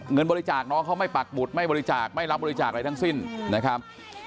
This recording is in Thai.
เงินบริจาคน้องเขาไม่ปักหมุดไม่บริจาคไม่รับบริจาคอะไรทั้งสิ้นนะครับ